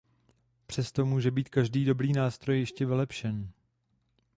Přesto může být každý dobrý nástroj ještě vylepšen.